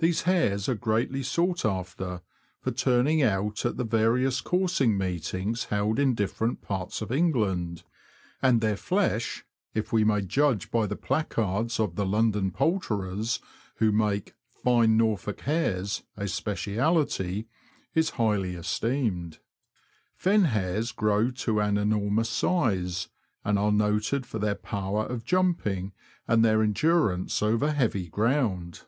These hares are greatly sought after for turning out at the various coursing meetings held in different parts of England ; and their flesh — if we may judge by the placards of the London poulterers, who make " Fine Norfolk Hares '^ a specialty — is highly esteemed. Fen hares grow to an enormous size, and are noted for their power of jumping, and their endurance over heavy ground.